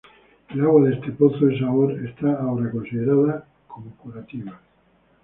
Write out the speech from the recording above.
El agua de este pozo es ahora considerada como curativa.